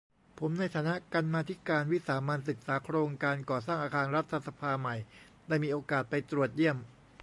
ผมในฐานะกรรมาธิการวิสามัญศึกษาโครงการก่อสร้างอาคารรัฐสภาใหม่ ได้มีโอกาสไปตรวจเยี่ยม